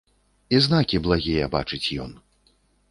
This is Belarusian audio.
І знакі благія бачыць ён.